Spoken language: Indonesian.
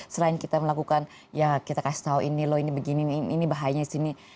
selain kita melakukan ya kita kasih tau ini loh ini begini ini bahayanya disini